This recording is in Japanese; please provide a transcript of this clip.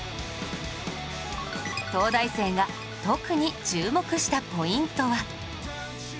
東大生が特に注目したポイントは